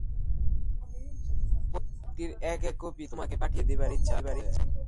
প্রত্যেকটির এক এক কপি তোমাকে পাঠিয়ে দেবার ইচ্ছা আছে।